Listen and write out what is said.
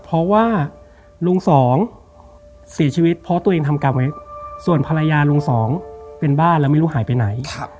เพราะว่าลุงสองเสียชีวิตเพราะตัวเองทำกรรมไว้ส่วนภรรยาลุงสองเป็นบ้านแล้วไม่รู้หายไปไหน